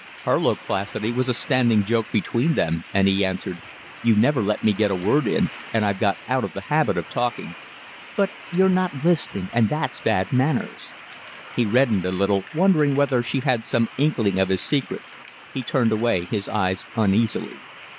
Her loquacity was a standing joke between them, and he answered: "You never let me get a word in, and I've got out of the habit of talking." "But you're not listening, and that's bad manners." He reddened a little, wondering whether she had some inkling of his secret; he turned away his eyes uneasily.